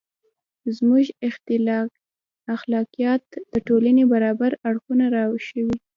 • زموږ اخلاقیات د ټولنې برابر اړخونه راوښيي.